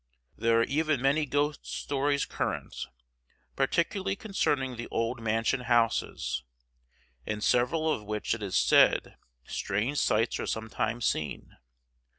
There are even many ghost stories current, particularly concerning the old mansion houses, in several of which it is said strange sights are sometimes seen.